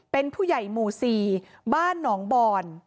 เป็นผู้ใหญ่หมู่๔บ้านหนองบอน